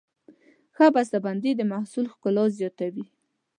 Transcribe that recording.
ښه بسته بندي د محصول ښکلا زیاتوي.